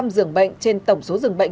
hai mươi dường bệnh trên tổng số dường bệnh